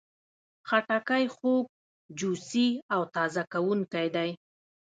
خټکی خوږ، جوسي او تازه کوونکی دی.